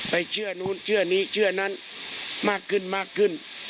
เชื่อนู้นเชื่อนี้เชื่อนั้นมากขึ้นมากขึ้น